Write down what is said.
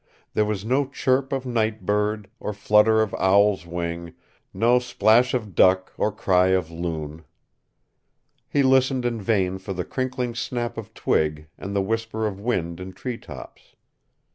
There was no chirp of night bird, or flutter of owl's wing, no plash of duck or cry of loon. He listened in vain for the crinkling snap of twig, and the whisper of wind in treetops.